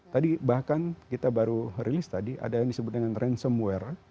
tadi bahkan kita baru rilis tadi ada yang disebut dengan ransomware